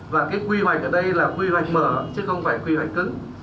và cái quy hoạch ở đây là quy hoạch mở chứ không phải quy hoạch cứng